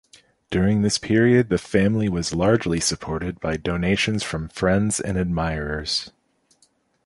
During this period the family was largely supported by donations from friends and admirers.